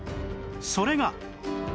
それが